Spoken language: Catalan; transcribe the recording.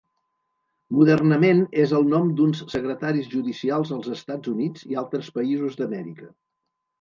Modernament és el nom d'uns secretaris judicials als Estats Units i altres països d'Amèrica.